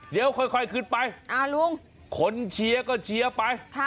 เดี๋ยวค่อยขึ้นไปคนเชียร์ก็เชียร์ไป